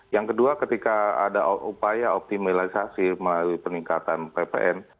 yang kedua ketika ada upaya optimalisasi melalui peningkatan ppn